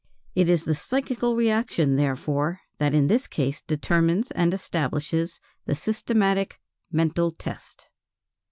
It is the psychical reaction, therefore, that in this case determines and establishes the systematic "mental test."